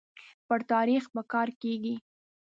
پر تاريخ به کار کيږي